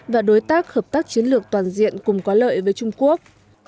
và đối tác hợp tác chiến lược toàn diện cùng có lợi với trung quốc